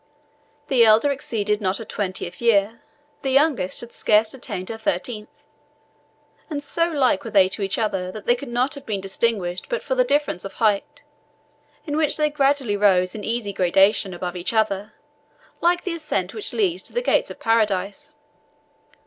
The eldest exceeded not her twentieth year, the youngest had scarce attained her thirteenth; and so like were they to each other that they could not have been distinguished but for the difference of height, in which they gradually rose in easy gradation above each other, like the ascent which leads to the gates of Paradise.